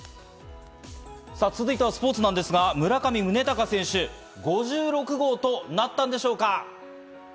続いてはスポーツなんですが、村上宗隆選手、５６号となったんでしょうか？